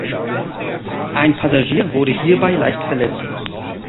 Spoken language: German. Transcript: Ein Passagier wurde hierbei leicht verletzt.